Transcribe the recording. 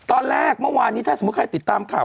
ตอนแรกเมื่อวานนี้ถ้าสมมุติใครติดตามข่าว